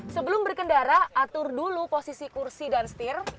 sebelum berkendara atur dulu posisi kursi dan setir